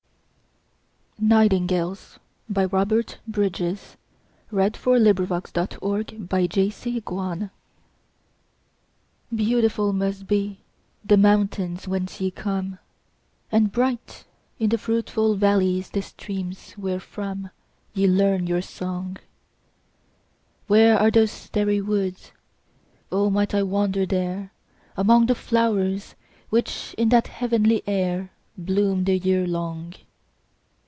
Book of English Verse: 1250–1900. Robert Bridges. b. 1844 834. Nightingales BEAUTIFUL must be the mountains whence ye come, And bright in the fruitful valleys the streams, wherefrom Ye learn your song: Where are those starry woods? O might I wander there, Among the flowers, which in that heavenly air 5 Bloom the year long!